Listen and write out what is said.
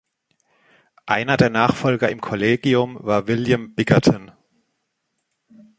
Einer der Nachfolger im Kollegium war William Bickerton.